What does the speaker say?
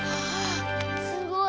すごい！